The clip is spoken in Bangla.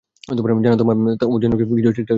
জানো তো, মা, তোমার জন্য কিছুই ঠিকঠাক যাচ্ছে না।